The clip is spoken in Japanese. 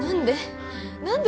何で？